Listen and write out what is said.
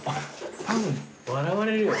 笑われるよ